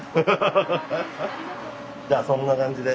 じゃあそんな感じで。